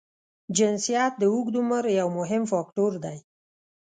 جنسیت د اوږد عمر یو مهم فاکټور دی.